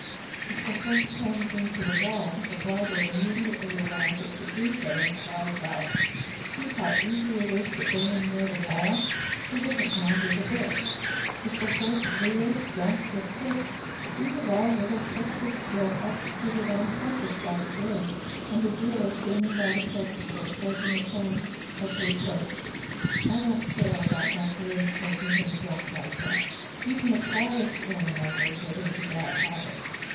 If the horse turns into the wall, the rider immediately allows it to do ) so and cries out: "See how easy it is to bring him near the wall,—he _ doesn't mind it a bit'. If the horse rears, jumps, or kicks, these are all little tricks of skill executed on purpose by the groom and the dealer standing by the purchaser says in a tone of reproach: "I don't care about my grooms making him jump like that; even the quietest animal | may get into bad habits".